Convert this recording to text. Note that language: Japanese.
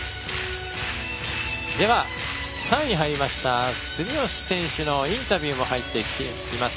では、３位に入りました住吉選手のインタビューが入ってきています。